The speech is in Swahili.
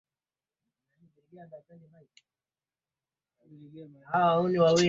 ri inazidi ya kutaka kumfahamu rais wa tanzania